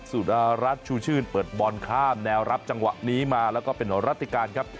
สุดารัฐชูชื่นเปิดบอลข้ามแนวรับจังหวะนี้มาแล้วก็เป็นรัติการครับ